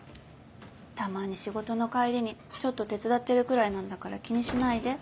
たまに仕事の帰りにちょっと手伝ってるくらいなんだから気にしないで。